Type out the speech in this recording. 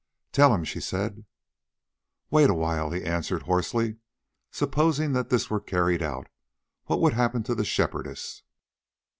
"Tell him," she said. "Wait awhile," he answered hoarsely; "supposing that this were carried out, what would happen to the Shepherdess?"